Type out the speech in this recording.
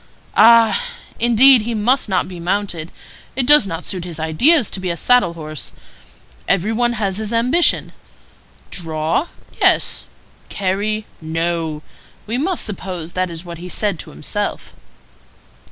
Ah! indeed he must not be mounted. It does not suit his ideas to be a saddle horse. Every one has his ambition. 'Draw? Yes. Carry? No.' We must suppose that is what he said to himself."